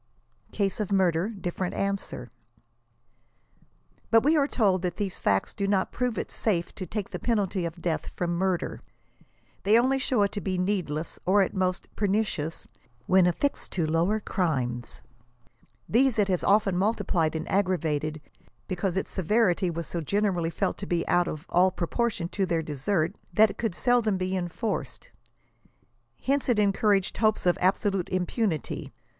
"CASE OF MURDER DIFFERENT." ANSWER. But we are told that these facts do not prove it safe to take the penalty of death from mvrder. They only show it to be needless, or, at most, pernicious, when affixed to lower crimes. These it has often multiplied and aggravated, because its se verity was so generally felt to be out of all proportion to their desert, that it could seldom be enforced ; hence it encouraged hopes of absolute impunity.